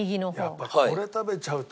やっぱこれ食べちゃうと。